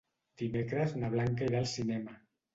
Dimecres na Blanca irà al cinema.